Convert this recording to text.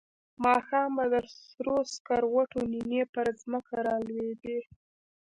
ماښام به د سرو سکروټو نینې پر ځمکه را لوېدې.